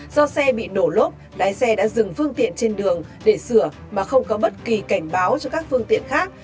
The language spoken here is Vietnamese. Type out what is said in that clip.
do xe bị nổ lốp lái xe đã dừng phương tiện trên đường để sửa mà không có bất kỳ cảnh báo cho các phương tiện khác